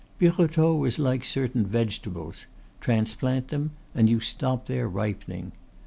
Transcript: Birotteau was like certain vegetables; transplant them, and you stop their ripening.